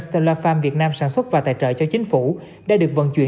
stellar farm việt nam sản xuất và tài trợ cho chính phủ đã được vận chuyển